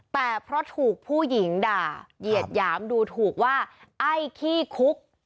แต่เพราะถูกผู้หญิงด่าเหยียดหยามดูถูกว่าไอ้ขี้คุก